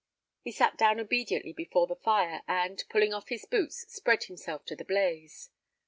He sat down obediently before the fire, and, pulling off his boots, spread himself to the blaze.